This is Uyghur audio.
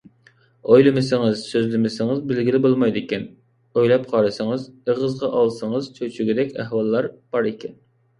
ئويلىمىسىڭىز، سۆزلىمىسىڭىز بىلگىلى بولمايدىكەن، ئويلاپ قارىسىڭىز، ئېغىزغا ئالسىڭىز چۆچۈگۈدەك ئەھۋاللار بار ئىكەن.